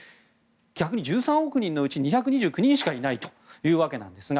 逆に１３億人のうち２２９人しかいないというわけですが。